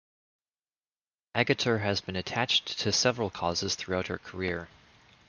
Agutter has been attached to several causes throughout her career.